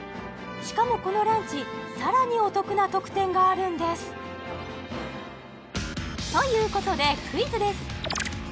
しかもこのランチさらにお得な特典があるんですということでクイズです